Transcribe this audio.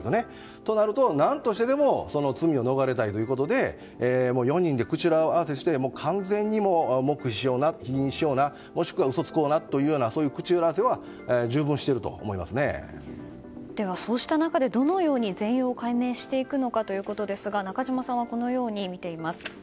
となると、何としてでも罪を逃れたいということで４人で口裏合わせをして完全に黙秘しような否認しようなもしくは嘘つこうなという口裏合わせはそうした中で、どのように全容を解明していくのかということですが中島さんはこのように見ています。